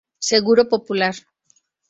Seguro Popular.